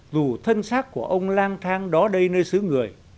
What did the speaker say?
dù thân xác của ông lang thang đó đây nơi xứ người